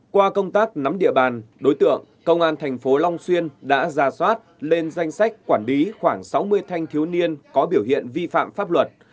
qua công tác nắm địa bàn đối tượng công an thành phố long xuyên đã ra soát lên danh sách quản lý khoảng sáu mươi thanh thiếu niên có biểu hiện vi phạm pháp luật